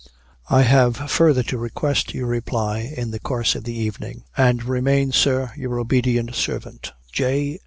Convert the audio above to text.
"I have further to request your reply in the course of the evening and remain, Sir, your obedient servant, "J.